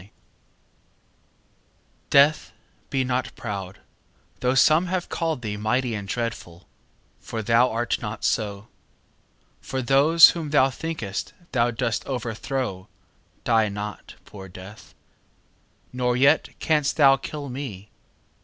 Death DEATH, be not proud, though some have callèd thee Mighty and dreadful, for thou art not so: For those whom thou think'st thou dost overthrow Die not, poor Death; nor yet canst thou kill me.